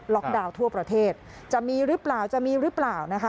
ดาวน์ทั่วประเทศจะมีหรือเปล่าจะมีหรือเปล่านะคะ